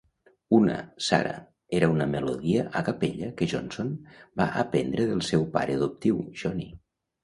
Una, "Sarah", era una melodia a capella que Johnson va aprendre del seu pare adoptiu, Johnny.